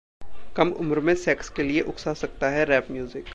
कम उम्र में सेक्स के लिए उकसा सकता है रैप म्यूजिक